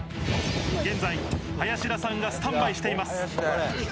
現在林田さんがスタンバイしています。